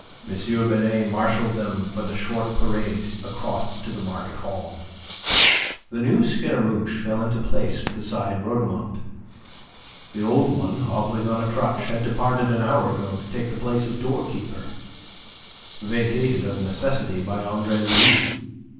Binet marshalled them for the short parade across to the market hall. The new Scaramouche fell into place beside Rhodomont. The old one, hobbling on a crutch, had departed an hour ago to take the place of doorkeeper, vacated of necessity by Andre Louis.